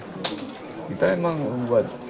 kita emang buat